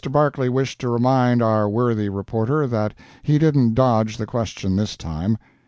Barclay wished to remind our worthy reporter that he didn't dodge the question this time.